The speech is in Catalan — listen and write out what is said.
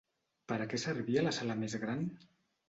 Per a què servia la sala més gran?